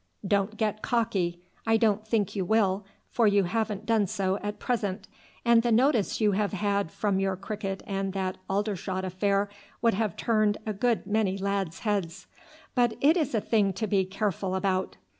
Don't get cocky. I don't think you will, for you haven't done so at present, and the notice you have had from your cricket and that Aldershot affair would have turned a good many lads' heads. But it is a thing to be careful about.